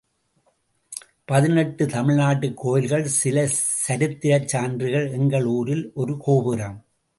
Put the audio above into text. பதினெட்டு தமிழ்நாட்டுக் கோயில்கள் சில சரித்திரச் சான்றுகள் எங்கள் ஊரில் ஒரு கோபுரம்.